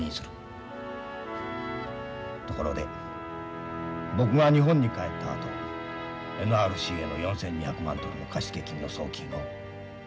ところで僕が日本に帰ったあとＮＲＣへの４，２００万ドルの貸付金の送金を誰に任せるか。